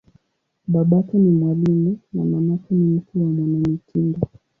Babake ni mwalimu, na mamake ni mtu wa mwanamitindo.